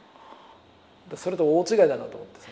それと大違いだなと思って。